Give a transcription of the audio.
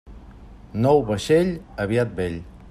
Nou vaixell, aviat vell.